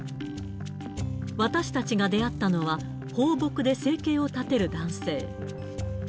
私たちが出会ったのは、放牧で生計を立てる男性。